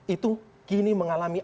itu kini mengalami